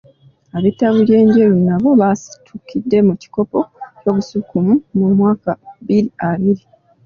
Ab'ettabi ly'e Njeru nabo baasitukidde mu kikopo ky'obusukkulumu mu mwaka bbiri abiri.